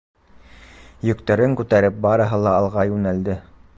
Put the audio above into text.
Йөктәрен күтәреп, барыһы ла алға йүнәлде.